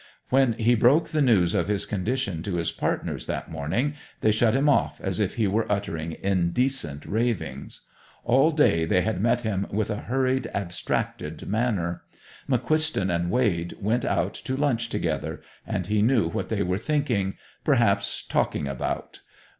When he broke the news of his condition to his partners that morning, they shut him off as if he were uttering indecent ravings. All day they had met him with a hurried, abstracted manner. McQuiston and Wade went out to lunch together, and he knew what they were thinking, perhaps talking, about.